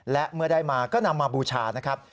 และเมื่อได้มาก็นำมาบูชานะครับ